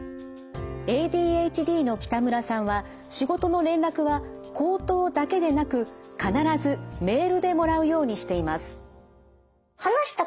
ＡＤＨＤの北村さんは仕事の連絡は口頭だけでなく必ずメールでもらうようにしています。